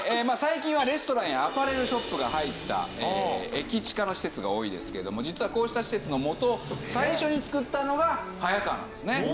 最近はレストランやアパレルショップが入った駅チカの施設が多いですけども実はこうした施設の元を最初につくったのが早川なんですね。